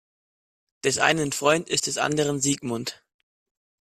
Des einen Freud ist des anderen Sigmund.